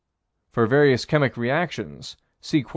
For various chemic reactions, see _Quar.